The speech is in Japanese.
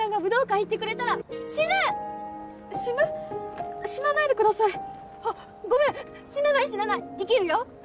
死ぬ⁉死なないでくださいあっごめん死なない死なない生きるよ